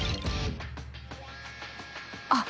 あっ。